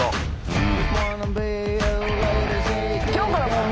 うん。